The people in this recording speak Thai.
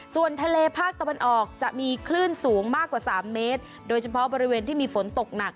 ส่วนทะเลภาคตะวันออกจะมีคลื่นสูงมากกว่าสามเมตรโดยเฉพาะบริเวณที่มีฝนตกหนัก